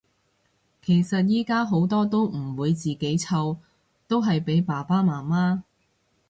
其實依家好多都唔會自己湊，都係俾爸爸媽媽